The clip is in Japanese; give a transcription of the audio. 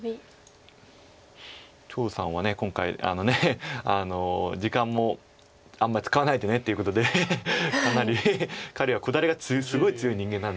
張栩さんは今回時間もあんまり使わないっていうことでかなり彼はこだわりがすごい強い人間なんで。